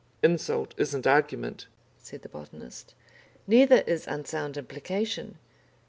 "Insult isn't argument," said the botanist. "Neither is unsound implication.